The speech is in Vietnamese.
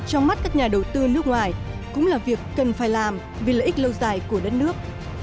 trong mắt các nhà đầu tư nước ngoài cũng là việc cần phải làm vì lợi ích lâu dài của đất nước